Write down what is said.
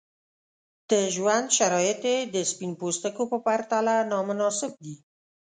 د ژوند شرایط یې د سپین پوستکو په پرتله نامناسب دي.